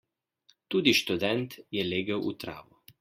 Tudi študent je legel v travo.